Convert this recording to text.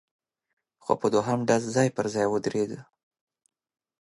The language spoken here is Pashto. خو په دوهم ډز ځای پر ځای ودرېده،